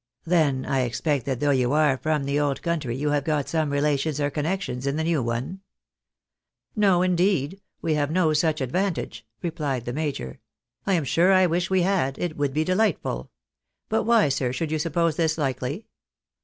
" Then I expect that though you are from the old country you have got some relations or connections in the new one ?" "No, indeed! We have no such advantage," replied the major, " I am sure I wish we had ; it would be dehghtful. But why, sir, should you suppose this hkely